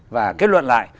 và kết luận lại